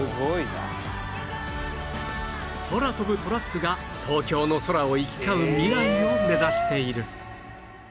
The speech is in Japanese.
空飛ぶトラックが東京の空を行き交う未来を目指している